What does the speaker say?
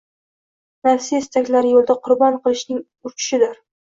nafsiy istaklari yo‘lida qurbon qilishning urchishidir?